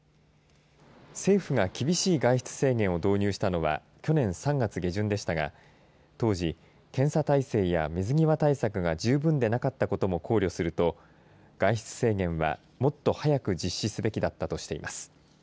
政府が厳しい外出制限を導入したのは去年３月下旬でしたが当時、検査体制や水際対策が十分でなかったことも考慮すると外出制限は、もっと早く実施すべきだったとしています。